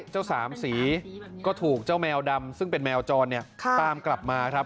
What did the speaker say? เจ้าสามสีก็ถูกเจ้าแมวดำซึ่งเป็นแมวจรตามกลับมาครับ